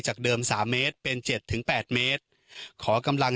เดิมสามเมตรเป็นเจ็ดถึงแปดเมตรขอกำลัง